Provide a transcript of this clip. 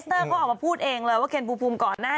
ตลอดแล้วคุณแม่